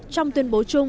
trong tuyên bố chung